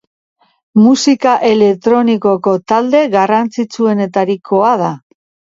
Musika elektronikoko talde garrantzitsuenetarikoa da.